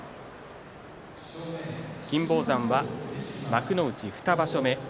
金峰山は幕内２場所目。